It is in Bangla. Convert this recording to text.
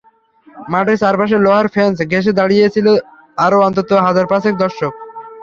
মাঠের চার পাশের লোহার ফেঞ্চ ঘেঁষে দাঁড়িয়ে ছিল আরও অন্তত হাজার পাঁচেক দর্শক।